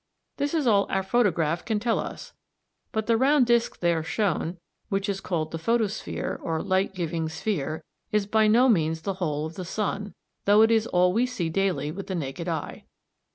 This is all our photograph can tell us, but the round disc there shown, which is called the photosphere, or light giving sphere, is by no means the whole of the sun, though it is all we see daily with the naked eye.